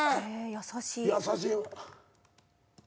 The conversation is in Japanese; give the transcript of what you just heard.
優しい。